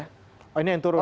oh ini yang turun